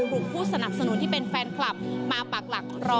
กลุ่มผู้สนับสนุนที่เป็นแฟนคลับมาปากหลักรอ